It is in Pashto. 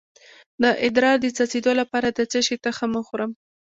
د ادرار د څڅیدو لپاره د څه شي تخم وخورم؟